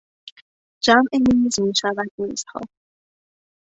جمع "میز" میشود "میزها".